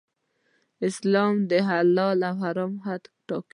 اسلام د حلال او حرام حد ټاکي.